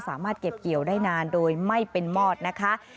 สามารถเก็บเกี่ยวได้นานโดยไม่เป็นมอดนะคะ